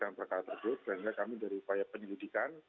dan perkara tersebut karena kami dari upaya penyelidikan